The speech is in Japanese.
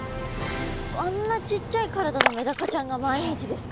あんなちっちゃい体のメダカちゃんが毎日ですか？